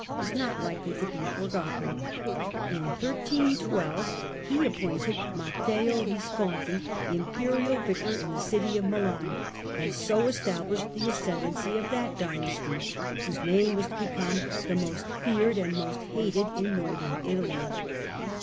is not likely to be forgotten. In 1312 he appointed Matteo Visconti Imperial Vicar in the city of Milan, and so established the ascendency of that dynasty whose name was to become the most Growth of feared and the most hated in Northern Italy.